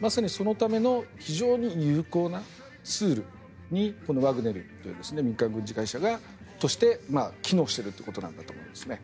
まさにそのための非常に有効なツールにこのワグネルという民間軍事会社が機能しているということなんだと思いますね。